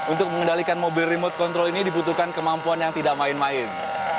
untuk mengendalikan mobil remote control ini dibutuhkan kemampuan yang tidak main main